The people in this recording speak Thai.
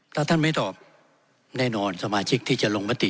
ถ้าท่านไม่ตอบแน่นอนสมาชิกที่จะลงมติ